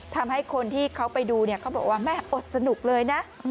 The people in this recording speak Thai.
ทำให้คนที่เขาไปดูเนี่ยเขาบอกว่าแม่อดสนุกเลยนะ